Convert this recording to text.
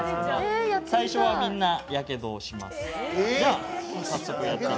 最初はみんなやけどをします。